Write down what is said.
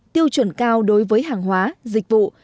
tiêu chuẩn cao đối với hàng hóa dịch vụ